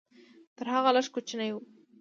تر هغه لږ کوچنی و.